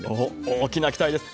大きな期待です。